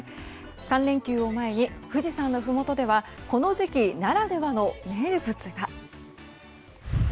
３連休を前に富士山のふもとではこの時期ならではの名物が。